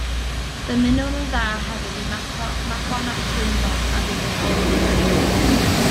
Dymunwn yn dda hefyd i Mabon ap Gwynfor a fydd yn olynydd teilwng.